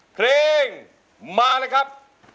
เพลงมาเลยครับ